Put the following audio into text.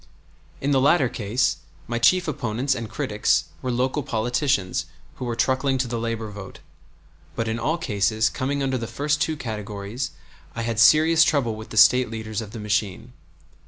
In the latter case my chief opponents and critics were local politicians who were truckling to the labor vote; but in all cases coming under the first two categories I had serious trouble with the State leaders of the machine.